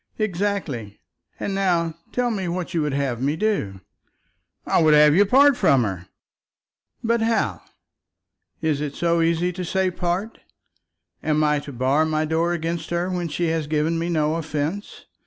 "Exactly. And now tell me what you would have me do." "I would have you part from her." "But how? It is so easy to say, part. Am I to bar my door against her when she has given me no offence?